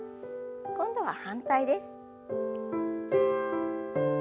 今度は反対です。